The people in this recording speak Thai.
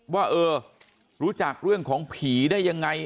ว่าเออรู้จักเรื่องของผีได้ยังไง